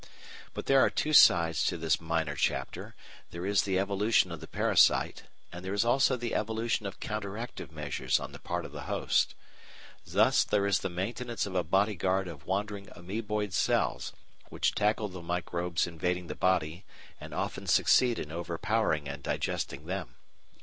But there are two sides to this minor chapter: there is the evolution of the parasite, and there is also the evolution of counteractive measures on the part of the host. Thus there is the maintenance of a bodyguard of wandering amoeboid cells, which tackle the microbes invading the body and often succeed in overpowering and digesting them.